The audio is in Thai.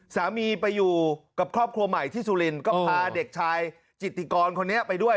สามีไปอยู่กับครอบครัวใหม่ที่สุรินทร์ก็พาเด็กชายจิตติกรคนนี้ไปด้วย